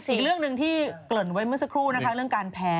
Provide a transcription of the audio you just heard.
อีกเรื่องหนึ่งที่เกริ่นไว้เมื่อสักครู่นะคะเรื่องการแพ้